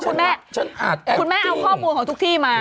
ฉันรับฉันอาจแอฟติ้งคุณแม่เอาข้อมูลของทุกที่มา